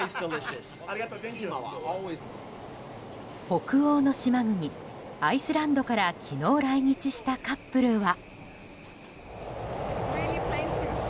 北欧の島国、アイスランドから昨日、来日したカップルは。